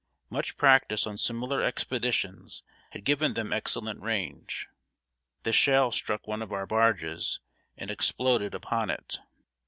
Much practice on similar expeditions had given them excellent range. The shell struck one of our barges, and exploded upon it.